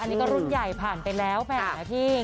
อันนี้ก็รุ่นใหญ่ผ่านไปแล้วแหมพี่